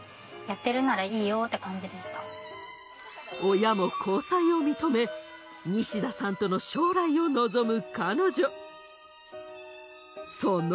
親も交際を認めニシダさんとの将来を望む彼女。